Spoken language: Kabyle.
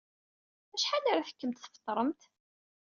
Acḥal ara tekkemt tfeṭṭremt?